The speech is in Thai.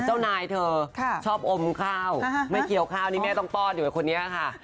เจ้านายเธอชอบอมข้าวไม่เกี่ยวข้าวนี่แม่ต้องป้อนอยู่กับคนนี้ค่ะ